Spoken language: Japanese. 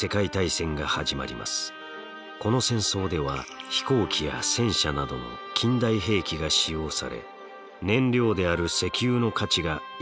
この戦争では飛行機や戦車などの近代兵器が使用され燃料である石油の価値が一挙に高まります。